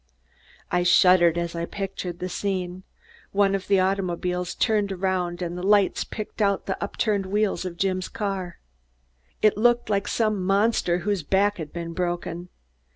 I shuddered as I pictured the scene. One of the automobiles turned around and the lights picked out the upturned wheels of Jim's car. It looked like some monster whose back had been broken.